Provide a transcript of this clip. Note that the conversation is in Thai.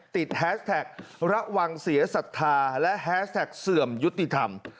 แฮสแท็กระวังเสียศรัทธาและแฮสแท็กเสื่อมยุติธรรม